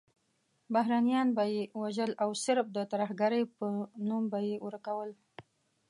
بهرنیان به یې وژل او صرف د ترهګرۍ نوم به یې ورکول.